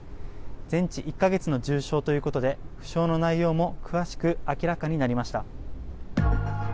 全治１か月の重傷ということで不詳の内容も詳しく明らかになりました。